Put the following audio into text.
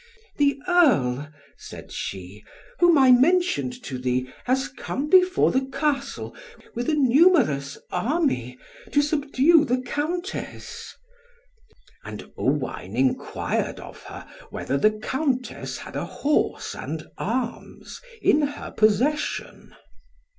"The Earl," said she, "whom I mentioned to thee, has come before the Castle, with a numerous army, to subdue the Countess." And Owain enquired of her whether the Countess had a horse and arms, in her possession.